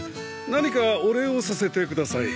何かお礼をさせてください。